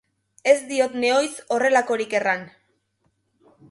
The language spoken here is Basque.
Ez diot nehoiz horrelakorik erran!